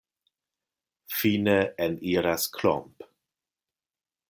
Fine eniras Klomp.